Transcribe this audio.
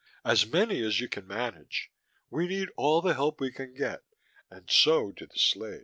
As many as you can manage. We need all the help we can get and so do the slaves.